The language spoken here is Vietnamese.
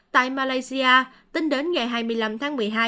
tại malaysia tính đến ngày hai mươi năm tháng một mươi hai